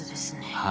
はい。